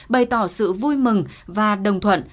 bày tỏ sự vui mừng và đồng thuận